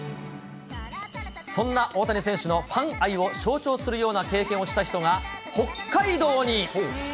そんな大谷選手のファン愛を象徴するような経験をした人が、北海道に。